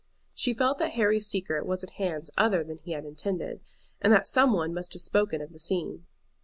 She felt that Harry's secret was in hands other than he had intended, and that some one must have spoken of the scene.